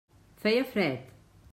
Feia fred.